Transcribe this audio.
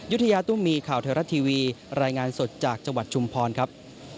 ยุธยาตุ้มมีข่าวไทยรัฐทีวีรายงานสดจากจังหวัดชุมพรครับ